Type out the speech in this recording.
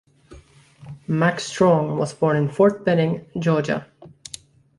Mack Strong was born in Fort Benning, Georgia.